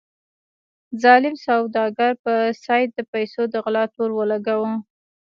ظالم سوداګر په سید د پیسو د غلا تور ولګاوه.